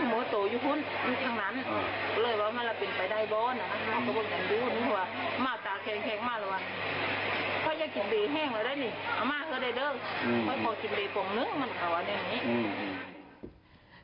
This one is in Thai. อำมาตย์เขาได้เดิก